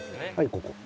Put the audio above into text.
ここ。